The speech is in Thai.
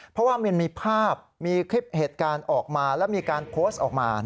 เพราะว่ามันมีภาพมีคลิปเหตุการณ์ออกมาและมีการโพสต์ออกมา